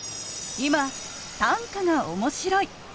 今短歌が面白い。